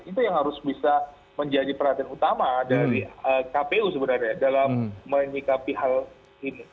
itu yang harus bisa menjadi perhatian utama dari kpu sebenarnya dalam menyikapi hal ini